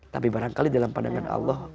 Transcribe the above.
tapi barangkali dalam pandangan allah